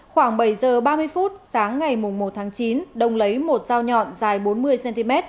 khoảng bảy h ba mươi sáng ngày một tháng chín đông lấy một dao nhọn dài bốn mươi cm